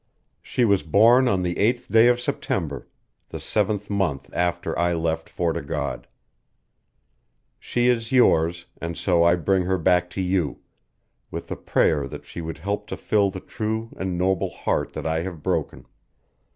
She was born on the eighth day of September, the seventh month after I left Fort o' God, She is yours, and so I bring her back to you, with the prayer that she will help to fill the true and noble heart that I have broken.